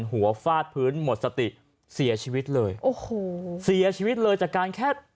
ฟาดพื้นหมดสติเสียชีวิตเลยโอ้โหเสียชีวิตเลยจากการแค่